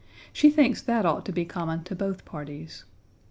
She thinks that ought to be common to both parties.